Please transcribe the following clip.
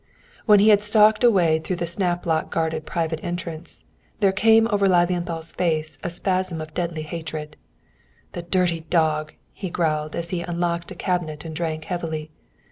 When he had stalked away through the snaplock guarded private entrance, there came over Lilienthal's face a spasm of deadly hatred. "The dirty dog!" he growled, as he unlocked a cabinet and drank heavily.